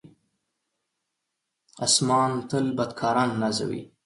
آسمان تل بدکاران نازوي.